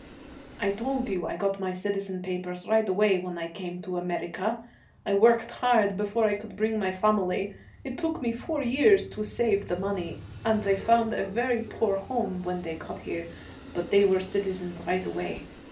'I told you I got my citizen papers right away when I came to America. I worked hard before I could bring my family it took me four years to save the money and they found a very poor home when they got here, but they were citizens right away.